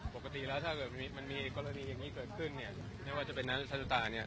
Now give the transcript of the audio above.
ปกติแล้วถ้าเกิดมันมีกรณีอย่างนี้เกิดขึ้นอย่างว่าจะเป็นนัดธรรมศาสตราเนี่ย